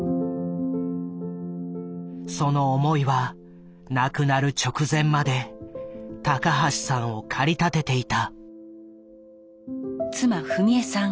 その思いは亡くなる直前まで高橋さんを駆り立てていた。